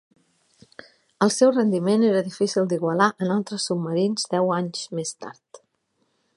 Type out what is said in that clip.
El seu rendiment era difícil d'igualar en altres submarins deu anys més tard.